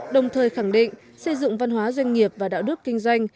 đồng thời khẳng định xây dựng văn hóa doanh nghiệp và đạo đức kinh doanh